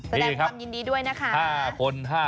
แสดงความยินดีด้วยนะคะ